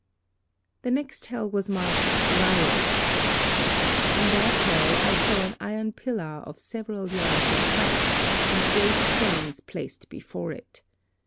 "The next hell was marked, 'Liars.' In that hell I saw an iron pillar of several yards in height, and great stones placed before it.